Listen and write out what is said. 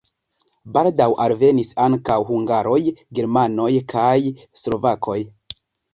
Baldaŭ alvenis ankaŭ hungaroj, germanoj kaj slovakoj.